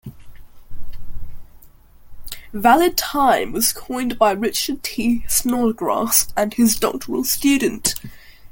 "Valid time" was coined by Richard T. Snodgrass and his doctoral student.